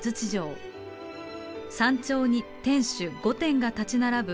山頂に天主御殿が立ち並ぶ